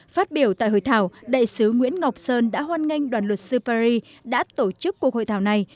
phát biểu tại hội thảo đại sứ nguyễn ngọc sơn đã hoan nghênh đoàn luật sư paris đã tổ chức cuộc hội thảo này